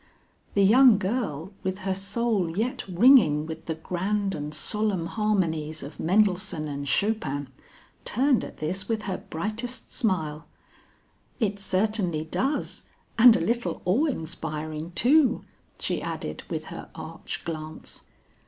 The young girl with her soul yet ringing with the grand and solemn harmonies of Mendelssohn and Chopin, turned at this with her brightest smile. "It certainly does and a little awe inspiring too;" she added with her arch glance.